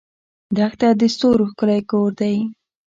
دښته د ستورو ښکلی کور دی.